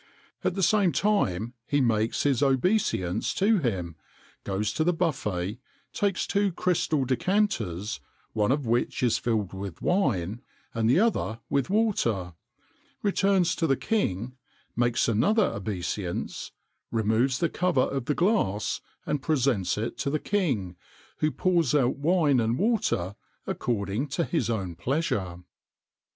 At the same time he makes his obeisance to him, goes to the buffet, takes two crystal decanters, one of which is filled with wine, and the other with water, returns to the king, makes another obeisance, removes the cover of the glass, and presents it to the king, who pours out wine and water according to his own pleasure.